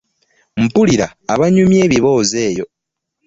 Mpulia abanyumya ebiboozi eyo .